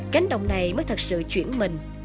cánh đồng này mới thật sự chuyển mình